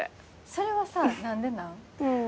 それはさ何でなん？